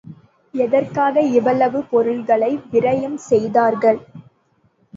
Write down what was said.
எதற்காக இவ்வளவு பொருள்களை விரயம் செய்தார்கள்?